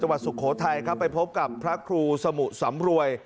สุโขทัยครับไปพบกับพระครูสมุสำรวย